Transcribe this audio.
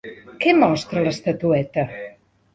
Què mostra l'estatueta?